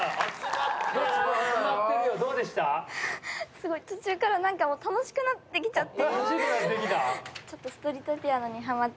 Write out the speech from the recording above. すごい途中から楽しくなってきちゃって。